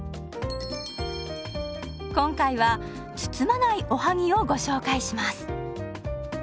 今回は包まないおはぎをご紹介します。